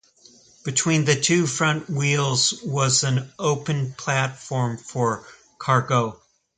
Between the two front wheels was an open platform for cargo.